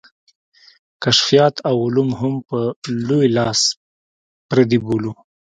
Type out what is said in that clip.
کشفیات او علوم هم په لوی لاس پردي بولو.